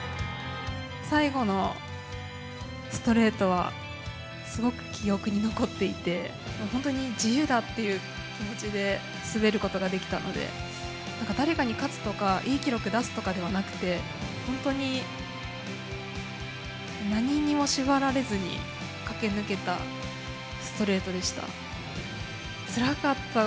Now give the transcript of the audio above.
最後のストレートはすごく記憶に残っていて、本当に自由だっていう気持ちで滑ることができたので、なんか誰かに勝つとか、いい記録出すとかではなくて、本当に何にも縛られずに駆け抜けたストレートでした。